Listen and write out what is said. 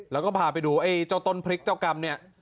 แล้วก็พาไปดูไอ้เจ้าต้นพริกเจ้ากรรมเนี่ย